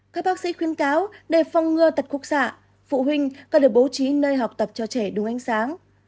các bác sĩ khuyên cáo để phong ngừa tật khúc xạ phụ huynh cần được bố trí nơi học tập cho trẻ đúng ánh sáng